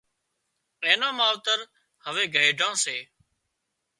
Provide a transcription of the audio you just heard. اين نان ماوتر هوي گئيڍان سي